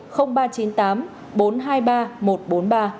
quận hải châu ba trăm chín mươi tám bốn trăm hai mươi ba một trăm bốn mươi ba